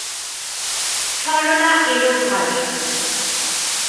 সরলা এল ঘরে।